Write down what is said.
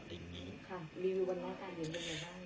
ค่ะรีวิววันแรกการเลี้ยงเป็นยังไง